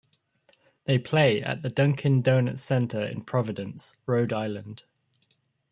They play at the Dunkin' Donuts Center in Providence, Rhode Island.